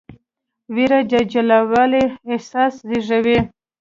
ویره د جلاوالي احساس زېږوي.